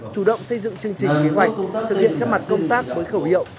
chủ động xây dựng chương trình kế hoạch thực hiện các mặt công tác với khẩu hiệu